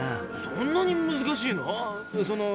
そんなに難しいの？